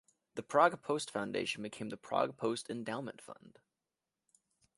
The Prague Post Foundation became The Prague Post Endowment Fund.